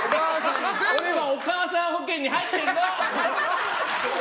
俺はお母さん保険に入ってるの！